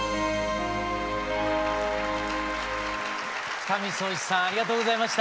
二見颯一さんありがとうございました。